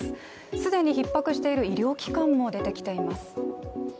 既にひっ迫している医療機関も出てきています